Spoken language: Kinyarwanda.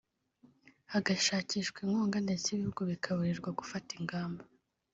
hagashakishwa inkunga ndetse ibihugu bikaburirwa gufata ingamba